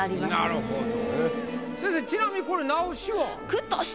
なるほど。